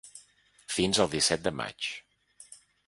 Fins el disset de maig.